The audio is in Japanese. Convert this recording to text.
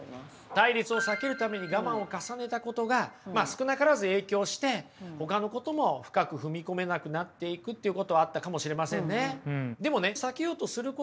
対立を避けるために我慢を重ねたことが少なからず影響してほかのことも深く踏み込めなくなっていくっていうことはあったかもしれませんね。